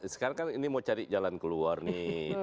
sekarang kan ini mau cari jalan keluar nih